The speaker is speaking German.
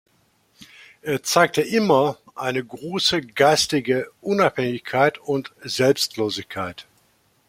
Er zeigte immer eine große geistige Unabhängigkeit und Selbstlosigkeit.